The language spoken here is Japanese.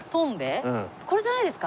これじゃないですか？